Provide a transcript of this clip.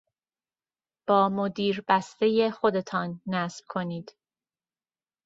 با مدیربستهٔ خودتان نصب کنید.